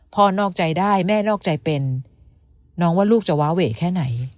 นอกใจได้แม่นอกใจเป็นน้องว่าลูกจะว้าเวแค่ไหน